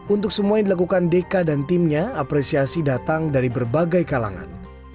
untuk semua yang dilakukan deka dan timnya apresiasi datang dari berbagai kalangan